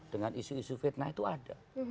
dengan isu isu fitnah itu ada